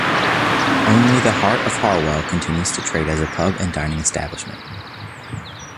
Only The Hart of Harwell continues to trade as a pub and dining establishment.